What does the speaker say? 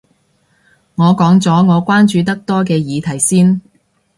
我講咗我關注得多嘅議題先